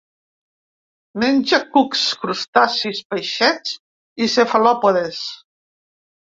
Menja cucs, crustacis, peixets i cefalòpodes.